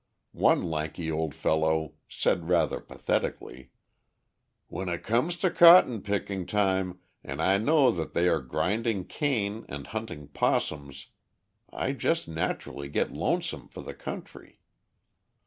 One lanky old fellow said rather pathetically: "When it comes to cotton picking time and I know that they are grinding cane and hunting possums, I jest naturally get lonesome for the country."